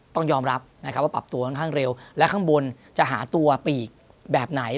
ต้องยอมรับนะครับว่าปรับตัวค่อนข้างเร็วและข้างบนจะหาตัวปีกแบบไหน